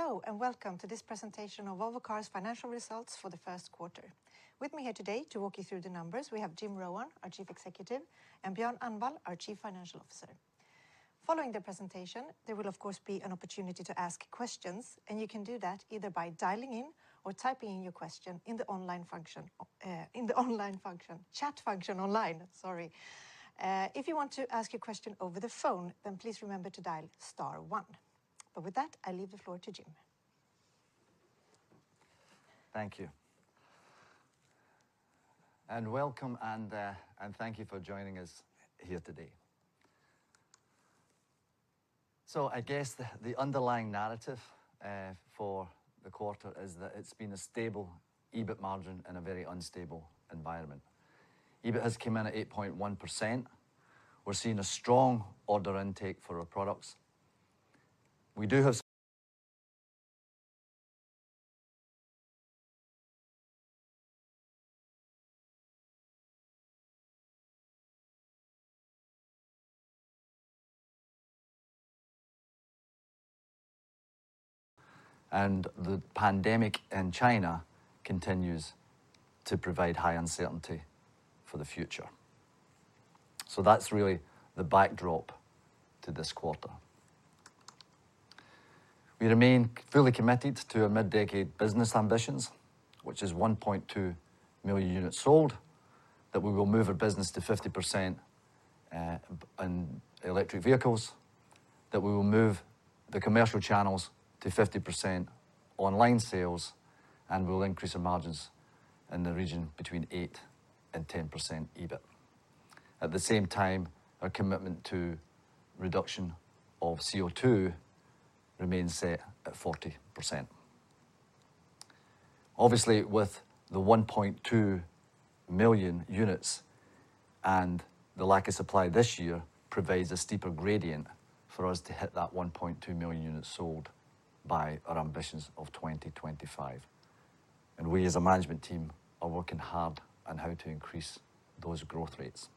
Hello, and welcome to this presentation of Volvo Cars Financial Results for the First Quarter. With me here today to walk you through the numbers, we have Jim Rowan, our Chief Executive Officer, and Björn Annwall, our Chief Financial Officer. Following the presentation, there will of course be an opportunity to ask questions, and you can do that either by dialing in or typing in your question in the online chat function, sorry. If you want to ask a question over the phone, then please remember to dial star one. With that, I leave the floor to Jim. Thank you. Welcome and thank you for joining us here today. I guess the underlying narrative for the quarter is that it's been a stable EBIT margin in a very unstable environment. EBIT has come in at 8.1%. We're seeing a strong order intake for our products. The pandemic in China continues to provide high uncertainty for the future. That's really the backdrop to this quarter. We remain fully committed to our mid-decade business ambitions, which is 1.2 million units sold, that we will move our business to 50% on electric vehicles, that we will move the commercial channels to 50% online sales, and we'll increase our margins in the region between 8% and 10% EBIT. At the same time, our commitment to reduction of CO2 remains set at 40%. Obviously, with the 1.2 million units and the lack of supply this year provides a steeper gradient for us to hit that 1.2 million units sold by our ambitions of 2025. We, as a management team, are working hard on how to increase those growth rates.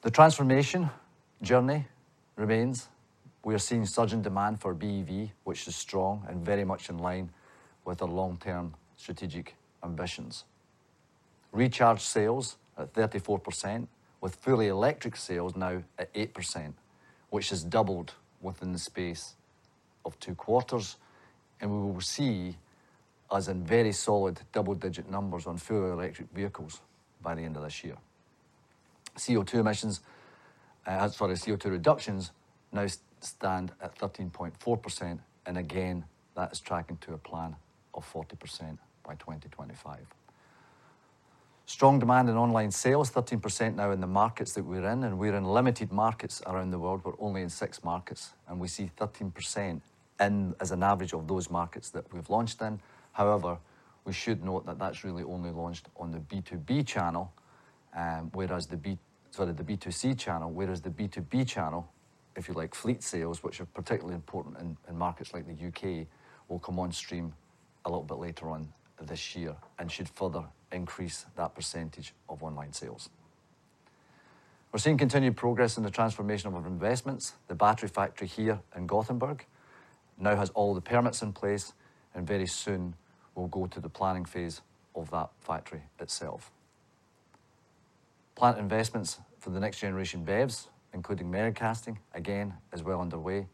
The transformation journey remains. We are seeing surging demand for BEV, which is strong and very much in line with our long-term strategic ambitions. Recharge sales at 34% with fully electric sales now at 8%, which has doubled within the space of two quarters. We will see us in very solid double-digit numbers on fully electric vehicles by the end of this year. CO2 emissions, as for the CO2 reductions now stand at 13.4%. Again, that is tracking to a plan of 40% by 2025. Strong demand in online sales, 13% now in the markets that we're in, and we're in limited markets around the world. We're only in six markets, and we see 13% in as an average of those markets that we've launched in. However, we should note that that's really only launched on the B2B channel, whereas the B2C channel, whereas the B2B channel, if you like, fleet sales, which are particularly important in markets like the U.K., will come on stream a little bit later on this year and should further increase that percentage of online sales. We're seeing continued progress in the transformation of our investments. The battery factory here in Gothenburg now has all the permits in place, and very soon we'll go to the planning phase of that factory itself. Plant investments for the next generation BEVs, including megacasting, again, is well underway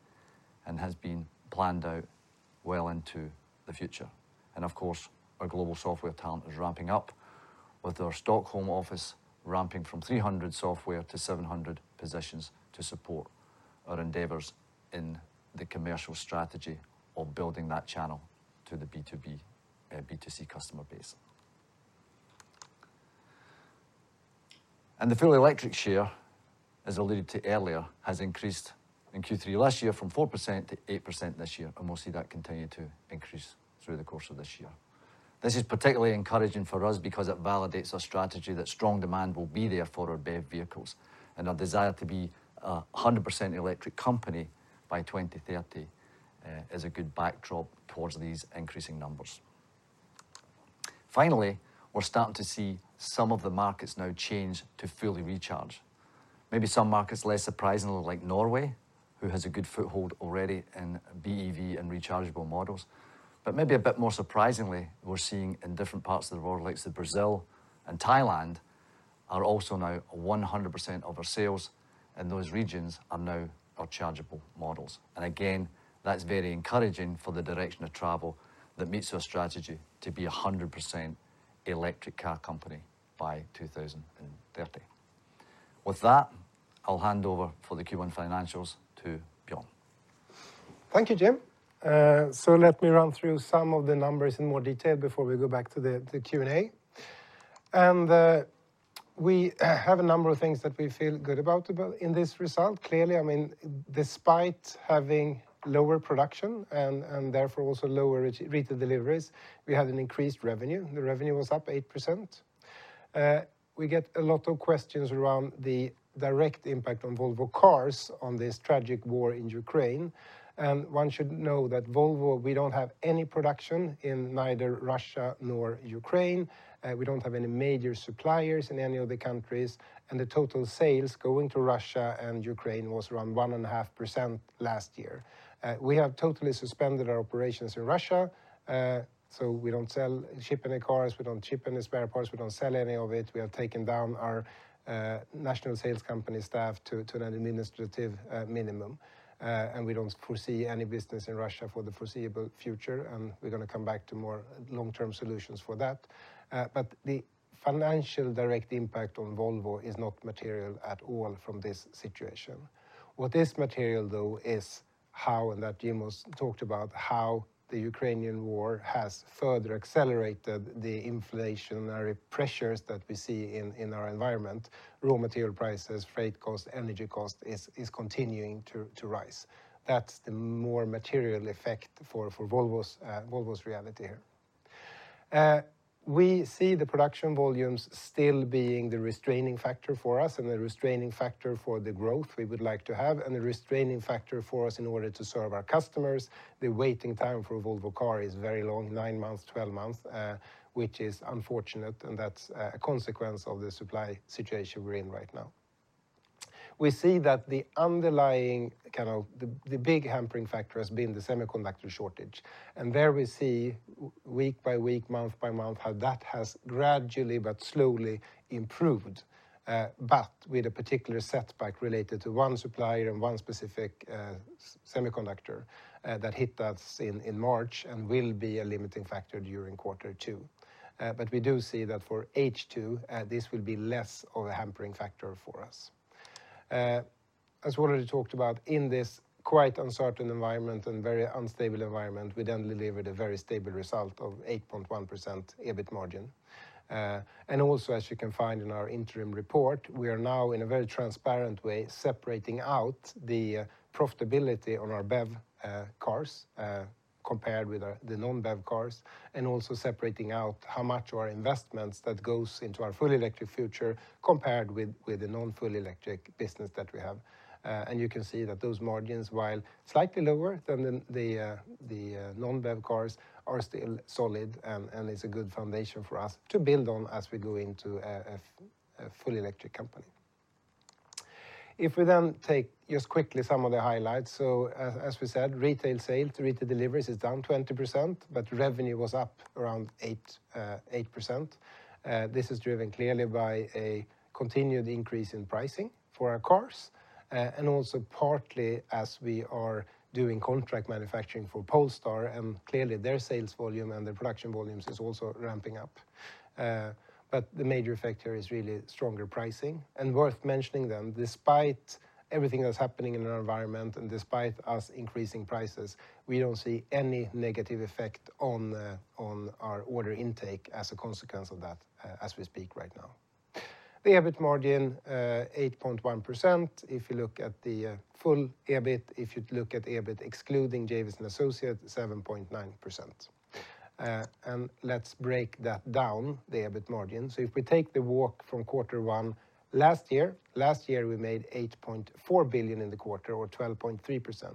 and has been planned out well into the future. Of course, our global software talent is ramping up with our Stockholm office ramping from 300 software to 700 positions to support our endeavors in the commercial strategy of building that channel to the B2B, B2C customer base. The fully electric share, as alluded to earlier, has increased in Q3 last year from 4%-8% this year, and we'll see that continue to increase through the course of this year. This is particularly encouraging for us because it validates our strategy that strong demand will be there for our BEV vehicles. Our desire to be 100% electric company by 2030 is a good backdrop towards these increasing numbers. Finally, we're starting to see some of the markets now change to fully rechargeable. Maybe some markets less surprisingly like Norway, who has a good foothold already in BEV and rechargeable models. Maybe a bit more surprisingly, we're seeing in different parts of the world like Brazil and Thailand are also now 100% of our sales in those regions are now rechargeable models. Again, that's very encouraging for the direction of travel that meets our strategy to be 100% electric car company by 2030. With that, I'll hand over for the Q1 financials to Björn. Thank you, Jim. Let me run through some of the numbers in more detail before we go back to the Q&A. We have a number of things that we feel good about in this result. Clearly, I mean, despite having lower production and therefore also lower retail deliveries, we had an increased revenue. The revenue was up 8%. We get a lot of questions around the direct impact on Volvo Cars on this tragic war in Ukraine. One should know that Volvo, we don't have any production in neither Russia nor Ukraine. We don't have any major suppliers in any of the countries, and the total sales going to Russia and Ukraine was around 1.5% last year. We have totally suspended our operations in Russia, so we don't ship any cars, we don't ship any spare parts, we don't sell any of it. We have taken down our national sales company staff to an administrative minimum. We don't foresee any business in Russia for the foreseeable future, and we're gonna come back to more long-term solutions for that. The financial direct impact on Volvo is not material at all from this situation. What is material, though, is how, and that Jim has talked about, how the Ukrainian war has further accelerated the inflationary pressures that we see in our environment. Raw material prices, freight costs, energy costs is continuing to rise. That's the more material effect for Volvo's reality here. We see the production volumes still being the restraining factor for us and the restraining factor for the growth we would like to have, and the restraining factor for us in order to serve our customers. The waiting time for a Volvo Car is very long, nine months, 12 months, which is unfortunate, and that's a consequence of the supply situation we're in right now. We see that the underlying, kind of, the big hampering factor has been the semiconductor shortage. There we see week by week, month by month, how that has gradually but slowly improved, but with a particular setback related to one supplier and one specific semiconductor that hit us in March and will be a limiting factor during quarter two. We do see that for H2, this will be less of a hampering factor for us. As we already talked about, in this quite uncertain environment and very unstable environment, we then delivered a very stable result of 8.1% EBIT margin. As you can find in our interim report, we are now in a very transparent way separating out the profitability on our BEV cars, compared with our non-BEV cars, and also separating out how much of our investments that goes into our full electric future compared with the non-full electric business that we have. You can see that those margins, while slightly lower than the non-BEV cars, are still solid and it's a good foundation for us to build on as we go into a full electric company. If we then take just quickly some of the highlights. As we said, retail sales, retail deliveries is down 20%, but revenue was up around 8%. This is driven clearly by a continued increase in pricing for our cars, and also partly as we are doing contract manufacturing for Polestar, and clearly their sales volume and their production volumes is also ramping up. The major factor is really stronger pricing. Worth mentioning then, despite everything that's happening in our environment and despite us increasing prices, we don't see any negative effect on our order intake as a consequence of that, as we speak right now. The EBIT margin, 8.1%. If you look at the full EBIT, if you look at EBIT excluding Geely and associate, 7.9%. Let's break that down, the EBIT margin. If we take the walk from quarter one last year, last year, we made 8.4 billion in the quarter or 12.3%.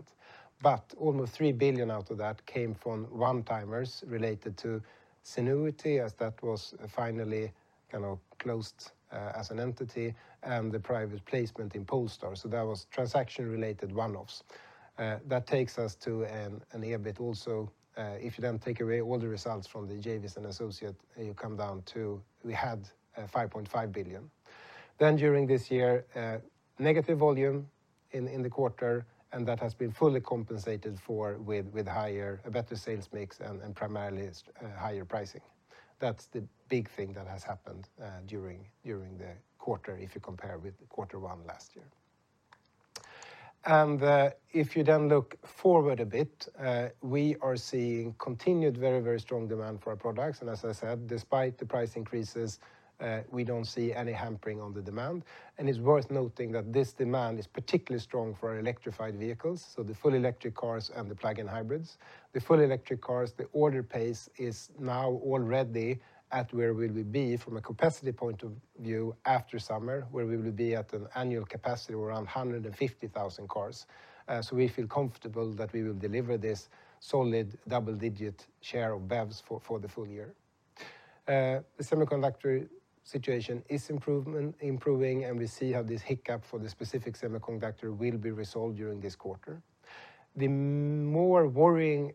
Almost 3 billion out of that came from one-timers related to Zenuity, as that was finally kind of closed as an entity, and the private placement in Polestar. That was transaction-related one-offs. That takes us to an EBIT also, if you then take away all the results from the Geely and associates, you come down to we had 5.5 billion. During this year, negative volume in the quarter, and that has been fully compensated for with a better sales mix and primarily higher pricing. That's the big thing that has happened during the quarter if you compare with quarter one last year. If you then look forward a bit, we are seeing continued very strong demand for our products. As I said, despite the price increases, we don't see any hampering on the demand. It's worth noting that this demand is particularly strong for our electrified vehicles, so the full electric cars and the plug-in hybrids. The full electric cars, the order pace is now already at where we will be from a capacity point of view after summer, where we will be at an annual capacity around 150,000 cars. So we feel comfortable that we will deliver this solid double-digit share of BEVs for the full year. The semiconductor situation is improving, and we see how this hiccup for the specific semiconductor will be resolved during this quarter. The more worrying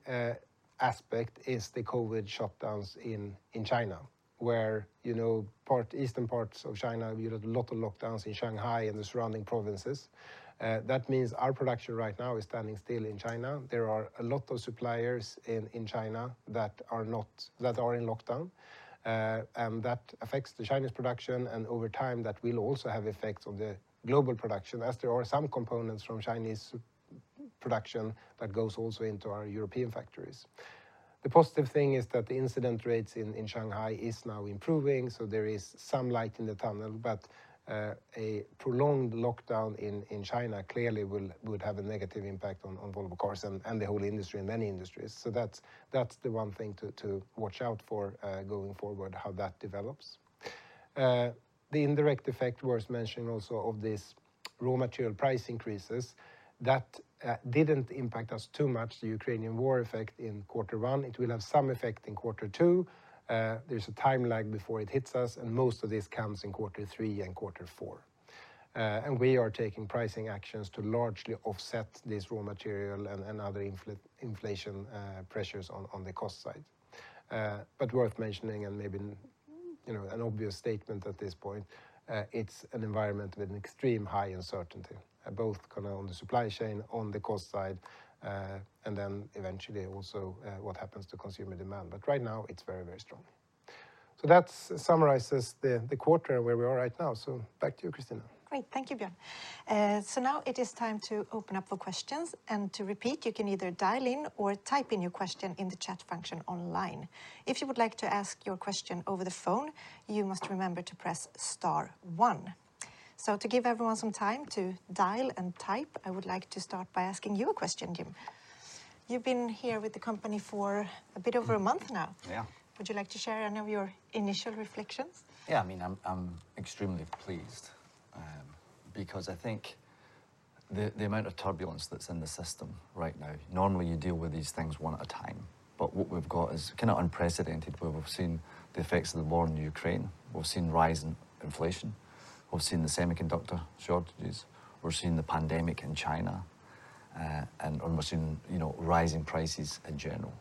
aspect is the COVID shutdowns in China, where, you know, eastern parts of China, we had a lot of lockdowns in Shanghai and the surrounding provinces. That means our production right now is standing still in China. There are a lot of suppliers in China that are in lockdown. That affects the Chinese production, and over time, that will also have effects on the global production, as there are some components from Chinese production that goes also into our European factories. The positive thing is that the incident rates in Shanghai is now improving, so there is some light in the tunnel. A prolonged lockdown in China clearly would have a negative impact on Volvo Cars and the whole industry and many industries. That's the one thing to watch out for going forward, how that develops. The indirect effect worth mentioning also of this raw material price increases, that didn't impact us too much, the Ukrainian war effect in quarter one. It will have some effect in quarter two. There's a timeline before it hits us, and most of this comes in quarter three and quarter four. We are taking pricing actions to largely offset this raw material and other inflation pressures on the cost side. Worth mentioning and maybe, you know, an obvious statement at this point, it's an environment with an extremely high uncertainty, both kinda on the supply chain, on the cost side, and then eventually also what happens to consumer demand. Right now, it's very, very strong. That summarizes the quarter where we are right now. Back to you, Christina. Great. Thank you, Björn. Now it is time to open up for questions. To repeat, you can either dial in or type in your question in the chat function online. If you would like to ask your question over the phone, you must remember to press star one. To give everyone some time to dial and type, I would like to start by asking you a question, Jim. You've been here with the company for a bit over a month now. Yeah. Would you like to share any of your initial reflections? Yeah. I mean, I'm extremely pleased, because I think the amount of turbulence that's in the system right now. Normally you deal with these things one at a time. But what we've got is kinda unprecedented, where we've seen the effects of the war in Ukraine, we've seen rise in inflation, we've seen the semiconductor shortages, we're seeing the pandemic in China, and almost in, you know, rising prices in general.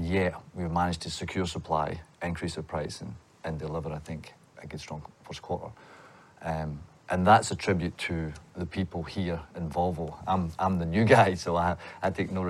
Yet, we've managed to secure supply, increase our pricing, and deliver, I think, a good strong first quarter. And that's a tribute to the people here in Volvo. I'm the new guy, so I take no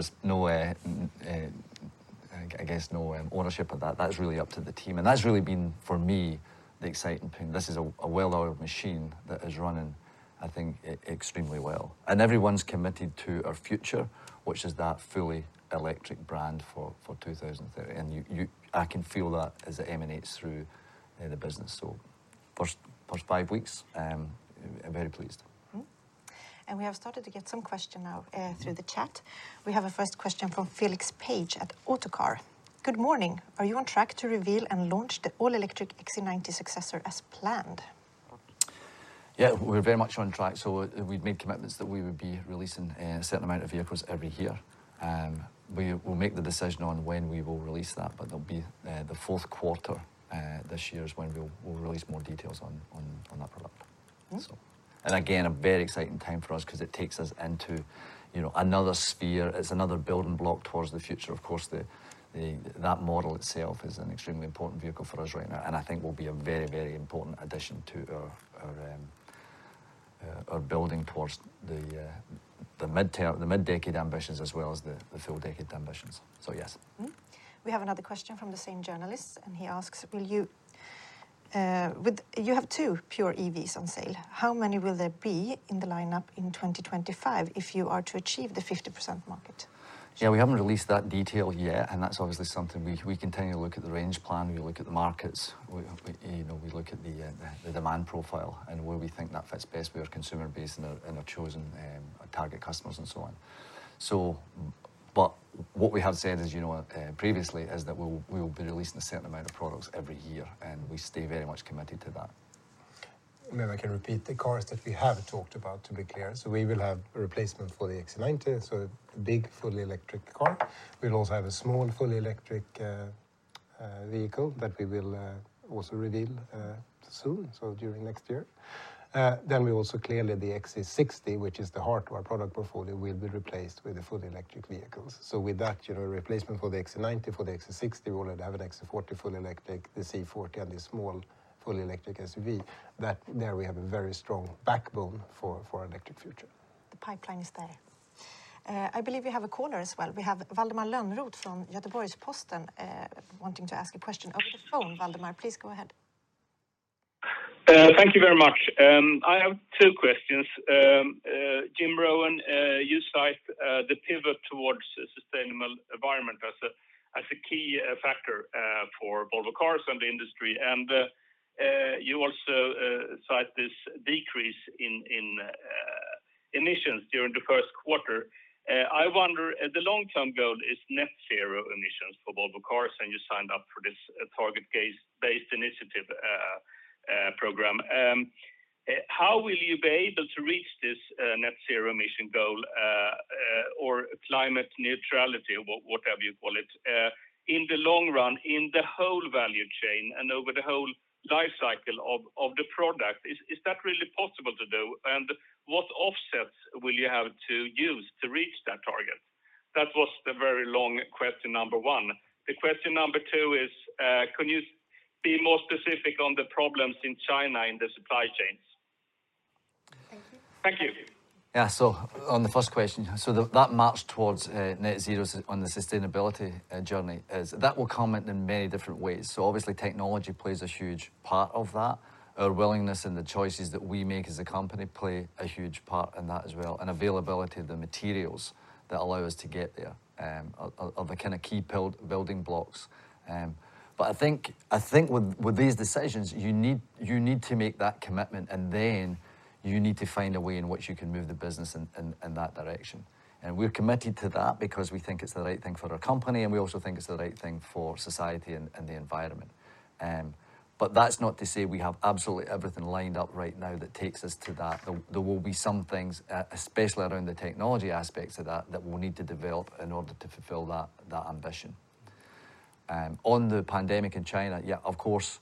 ownership of that. That is really up to the team. That's really been, for me, the exciting thing. This is a well-oiled machine that is running, I think, extremely well. Everyone's committed to our future, which is that fully electric brand for 2030. I can feel that as it emanates through the business. First five weeks, I'm very pleased. We have started to get some questions now through the chat. We have a first question from Felix Page at Autocar. Good morning. Are you on track to reveal and launch the all-electric XC90 successor as planned? Yeah. We're very much on track. We've made commitments that we would be releasing a certain amount of vehicles every year. We will make the decision on when we will release that, but it'll be the fourth quarter this year is when we'll release more details on that product. Mm-hmm. Again, a very exciting time for us 'cause it takes us into, you know, another sphere. It's another building block towards the future. Of course, that model itself is an extremely important vehicle for us right now, and I think will be a very, very important addition to our building towards the mid-decade ambitions as well as the full-decade ambitions. Yes. Mm-hmm. We have another question from the same journalist, and he asks: You have two pure EVs on sale. How many will there be in the lineup in 2025 if you are to achieve the 50% market? Yeah. We haven't released that detail yet, and that's obviously something we continue to look at the range plan. We look at the markets, you know, we look at the demand profile and where we think that fits best with our consumer base and our chosen target customers and so on. But what we have said is, you know, previously, is that we will be releasing a certain amount of products every year, and we stay very much committed to that. I can repeat the cars that we have talked about to be clear. We will have a replacement for the XC90, so a big fully electric car. We'll also have a small fully electric vehicle that we will also reveal soon, so during next year. Then we also clearly, the XC60, which is the heart of our product portfolio, will be replaced with the fully electric vehicles. With that, you know, replacement for the XC90, for the XC60, we'll then have an XC40 fully electric, the C40 and the small fully electric SUV. That there we have a very strong backbone for our electric future. The pipeline is there. I believe we have a caller as well. We have Valdemar Lönnroth from Göteborgs-Posten, wanting to ask a question over the phone. Valdemar, please go ahead. Thank you very much. I have two questions. Jim Rowan, you cite the pivot towards a sustainable environment as a key factor for Volvo Cars and the industry. You also cite this decrease in emissions during the first quarter. I wonder, the long-term goal is net zero emissions for Volvo Cars, and you signed up for this target-based initiative program. How will you be able to reach this net zero emission goal or climate neutrality, or whatever you call it, in the long run, in the whole value chain and over the whole life cycle of the product? Is that really possible to do? What offsets will you have to use to reach that target? That was the very long question number one. The question number two is, can you be more specific on the problems in China in the supply chains? Thank you. Thank you. Yeah. On the first question, that march towards net zero on the sustainability journey that will come in many different ways. Obviously, technology plays a huge part of that. Our willingness and the choices that we make as a company play a huge part in that as well, and availability of the materials that allow us to get there are the kinda key building blocks. But I think with these decisions, you need to make that commitment, and then you need to find a way in which you can move the business in that direction. We're committed to that because we think it's the right thing for our company, and we also think it's the right thing for society and the environment. That's not to say we have absolutely everything lined up right now that takes us to that. There will be some things, especially around the technology aspects of that we'll need to develop in order to fulfill that ambition. On the pandemic in China, of course,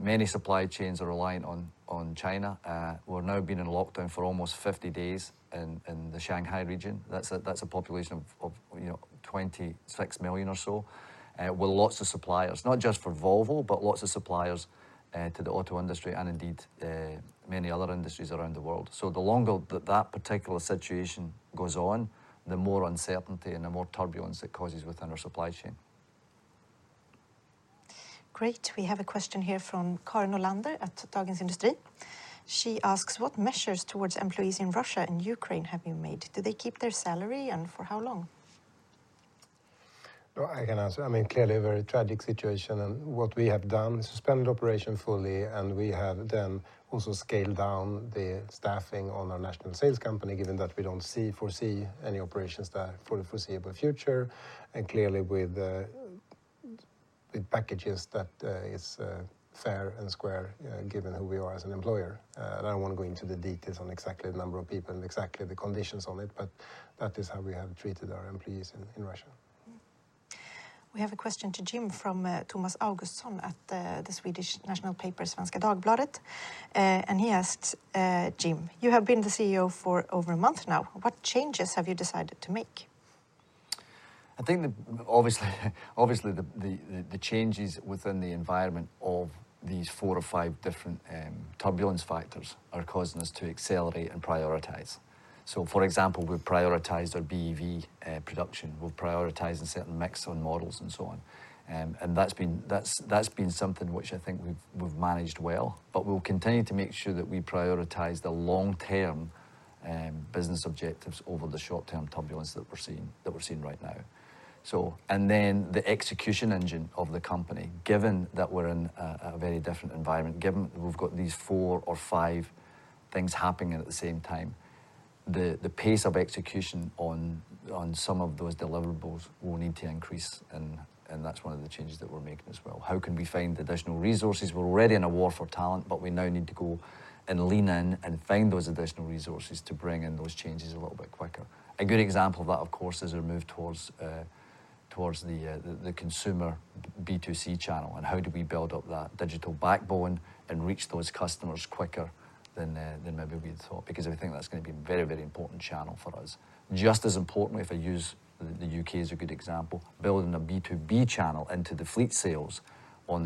many supply chains are reliant on China. We've now been in lockdown for almost 50 days in the Shanghai region. That's a population of, you know, 26 million or so, with lots of suppliers. Not just for Volvo, but lots of suppliers to the auto industry and indeed, many other industries around the world. So the longer that particular situation goes on, the more uncertainty and the more turbulence it causes within our supply chain. Great. We have a question here from Karin Olander at Dagens Industri. She asks, "What measures towards employees in Russia and Ukraine have you made? Do they keep their salary, and for how long? Well, I can answer. I mean, clearly a very tragic situation, and what we have done is suspended operation fully, and we have then also scaled down the staffing on our national sales company, given that we don't foresee any operations there for the foreseeable future, and clearly with packages that is fair and square, given who we are as an employer. I don't wanna go into the details on exactly the number of people and exactly the conditions on it, but that is how we have treated our employees in Russia. We have a question to Jim from Tomas Augustsson at the Swedish national paper, Svenska Dagbladet. He asks, Jim, "You have been the CEO for over a month now. What changes have you decided to make? I think obviously the changes within the environment of these four or five different turbulence factors are causing us to accelerate and prioritize. For example, we've prioritized our BEV production. We've prioritized a certain mix on models and so on. That's been something which I think we've managed well. We'll continue to make sure that we prioritize the long-term business objectives over the short-term turbulence that we're seeing right now. Then the execution engine of the company, given that we're in a very different environment, given we've got these four or five things happening at the same time, the pace of execution on some of those deliverables will need to increase, and that's one of the changes that we're making as well. How can we find additional resources? We're already in a war for talent, but we now need to go and lean in and find those additional resources to bring in those changes a little bit quicker. A good example of that, of course, is our move towards the consumer B2C channel and how do we build up that digital backbone and reach those customers quicker than maybe we'd thought. Because I think that's gonna be a very, very important channel for us. Just as importantly, if I use the U.K. as a good example, building a B2B channel into the fleet sales on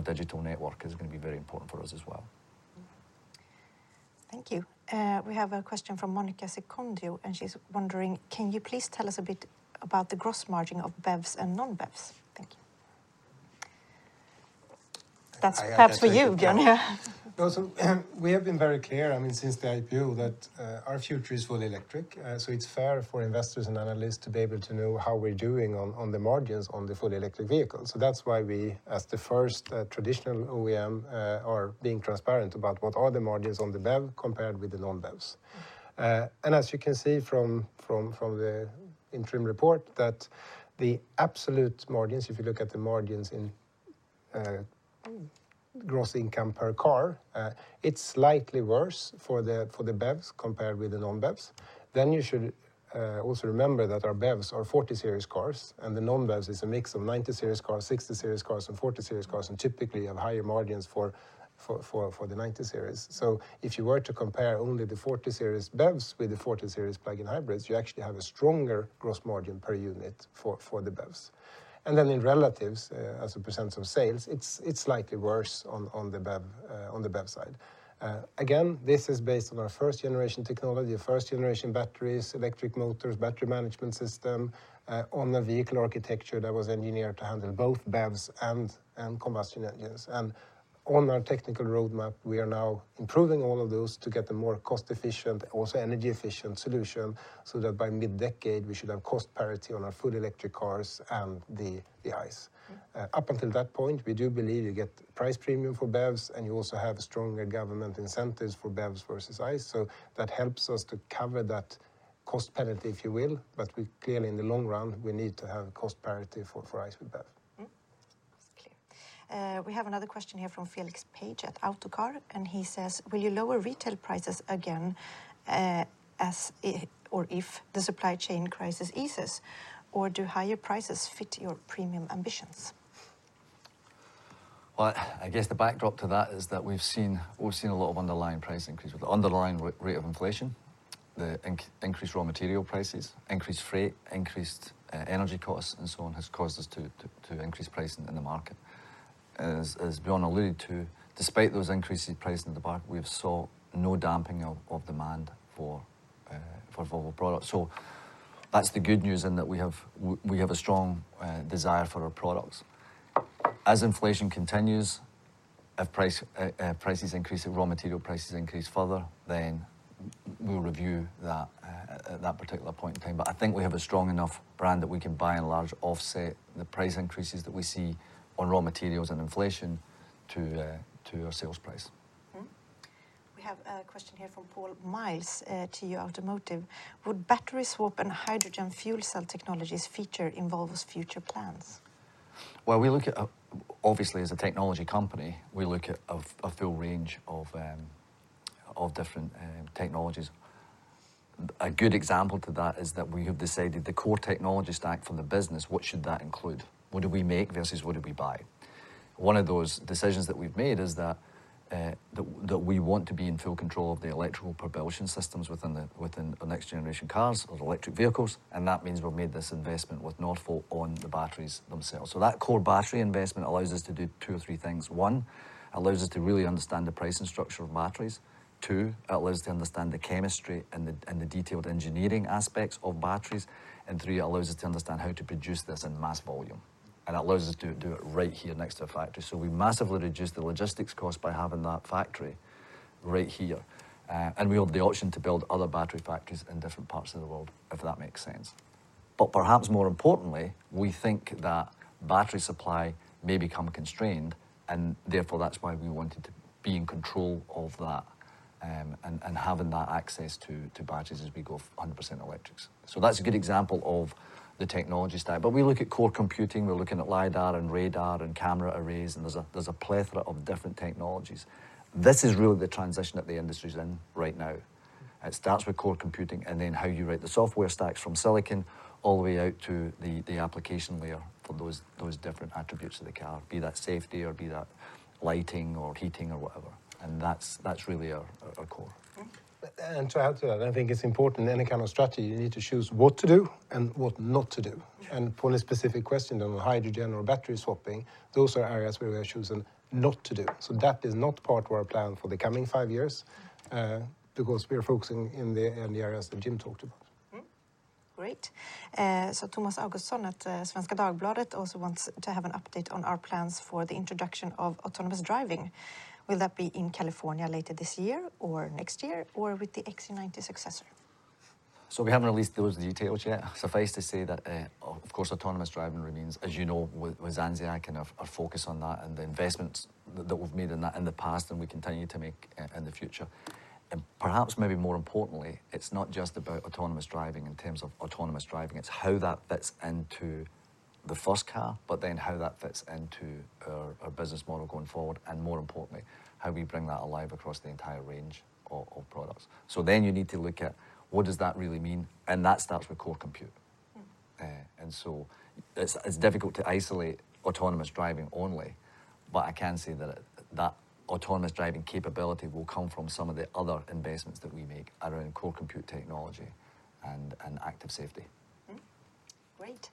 a digital network is gonna be very important for us as well. Thank you. We have a question from Monica Secondi, and she's wondering, "Can you please tell us a bit about the gross margin of BEVs and non-BEVs? Thank you." That's perhaps for you, Björn. No, we have been very clear, I mean, since the IPO that our future is fully electric. It's fair for investors and analysts to be able to know how we're doing on the margins on the fully electric vehicles. That's why we, as the first traditional OEM, are being transparent about what are the margins on the BEV compared with the non-BEVs. As you can see from the interim report that the absolute margins, if you look at the margins in gross income per car, it's slightly worse for the BEVs compared with the non-BEVs. You should also remember that our BEVs are 40 Series cars, and the non-BEVs is a mix of 90 Series cars, 60 Series cars, and 40 Series cars, and typically have higher margins for the 90 Series. If you were to compare only the 40 Series BEVs with the 40 Series plug-in hybrids, you actually have a stronger gross margin per unit for the BEVs. In relative terms as a % of sales, it's slightly worse on the BEV side. This is based on our first generation technology, first generation batteries, electric motors, battery management system on a vehicle architecture that was engineered to handle both BEVs and combustion engines. On our technical roadmap, we are now improving all of those to get a more cost-efficient, also energy-efficient solution, so that by mid-decade, we should have cost parity on our full electric cars and the ICE. Up until that point, we do believe you get price premium for BEVs, and you also have stronger government incentives for BEVs versus ICE, so that helps us to cover that cost penalty, if you will. But we clearly, in the long run, we need to have cost parity for ICE with BEV. Mm-hmm. That's clear. We have another question here from Felix Page at Autocar, and he says, "Will you lower retail prices again, or if the supply chain crisis eases, or do higher prices fit your premium ambitions? I guess the backdrop to that is that we've seen a lot of underlying price increase. With the underlying rate of inflation, the increased raw material prices, increased freight, increased energy costs, and so on, has caused us to increase pricing in the market. As Björn alluded to, despite those increases in pricing in the market, we've saw no damping of demand for Volvo products. That's the good news in that we have a strong desire for our products. As inflation continues, if prices increase, if raw material prices increase further, then we'll review that at that particular point in time. I think we have a strong enough brand that we can by and large offset the price increases that we see on raw materials and inflation to our sales price. We have a question here from Paul Myles, TU Automotive. Would battery swap and hydrogen fuel cell technologies feature in Volvo's future plans? Well, we look at, obviously, as a technology company, we look at a full range of different technologies. A good example to that is that we have decided the core technology stack for the business, what should that include? What do we make versus what do we buy? One of those decisions that we've made is that we want to be in full control of the electrical propulsion systems within the next generation cars or electric vehicles, and that means we made this investment with Northvolt on the batteries themselves. That core battery investment allows us to do two or three things. One, allows us to really understand the pricing structure of batteries. Two, allows us to understand the chemistry and the detailed engineering aspects of batteries. Three, allows us to understand how to produce this in mass volume, and allows us to do it right here next to a factory. We massively reduce the logistics cost by having that factory right here. We have the option to build other battery factories in different parts of the world, if that makes sense. Perhaps more importantly, we think that battery supply may become constrained, and therefore that's why we wanted to be in control of that, and having that access to batteries as we go 100% electrics. That's a good example of the technology stack. We look at core computing, we're looking at LiDAR and radar and camera arrays, and there's a plethora of different technologies. This is really the transition that the industry's in right now. It starts with core computing and then how you write the software stacks from silicon all the way out to the application layer for those different attributes of the car, be that safety or be that lighting or heating or whatever. That's really our core. Mm-hmm. To add to that, I think it's important any kind of strategy, you need to choose what to do and what not to do. Yeah. For the specific question on hydrogen or battery swapping, those are areas where we are choosing not to do. That is not part of our plan for the coming five years, because we are focusing in the areas that Jim talked about. Tomas Augustsson at Svenska Dagbladet also wants to have an update on our plans for the introduction of autonomous driving. Will that be in California later this year or next year, or with the XC90 successor? We haven't released those details yet. Suffice to say that, of course, autonomous driving remains, as you know, with Zenseact and a focus on that and the investments that we've made in that in the past and we continue to make in the future. Perhaps maybe more importantly, it's not just about autonomous driving in terms of autonomous driving, it's how that fits into the first car, but then how that fits into our business model going forward, and more importantly, how we bring that alive across the entire range of products. You need to look at what does that really mean, and that starts with core compute. Mm-hmm. It's difficult to isolate autonomous driving only, but I can say that autonomous driving capability will come from some of the other investments that we make around core compute technology and active safety. Great.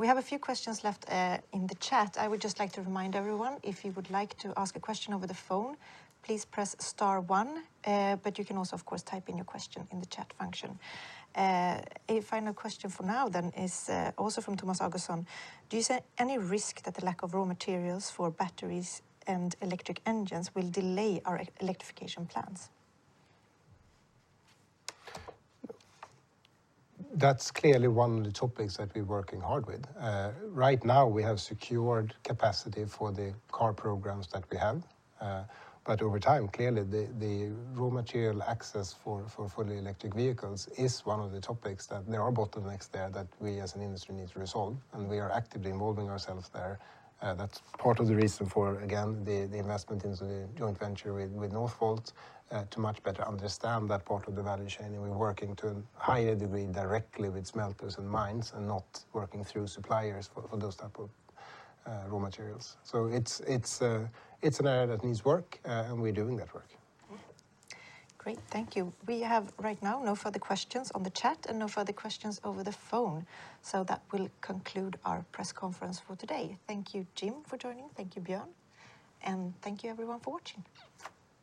We have a few questions left in the chat. I would just like to remind everyone, if you would like to ask a question over the phone, please press star one. You can also, of course, type in your question in the chat function. A final question for now is also from Tomas Augustsson. Do you see any risk that the lack of raw materials for batteries and electric engines will delay our electrification plans? That's clearly one of the topics that we're working hard with. Right now we have secured capacity for the car programs that we have. But over time, clearly the raw material access for fully electric vehicles is one of the topics that there are bottlenecks there that we as an industry need to resolve, and we are actively involving ourselves there. That's part of the reason for, again, the investment into the joint venture with Northvolt, to much better understand that part of the value chain. We're working to a higher degree directly with smelters and mines, and not working through suppliers for those type of raw materials. It's an area that needs work, and we're doing that work. Great. Thank you. We have right now no further questions on the chat and no further questions over the phone. That will conclude our press conference for today. Thank you, Jim, for joining. Thank you, Björn. Thank you everyone for watching.